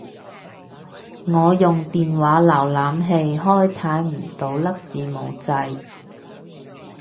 我用電話瀏覽器開睇唔到粒字幕掣